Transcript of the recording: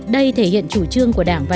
đây thể hiện chủ trương của đảng và